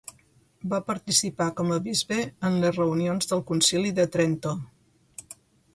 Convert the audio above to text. Va participar com a bisbe en les reunions del Concili de Trento.